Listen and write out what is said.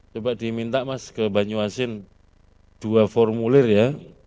coba diminta mas ke banyuasin dua formulir ya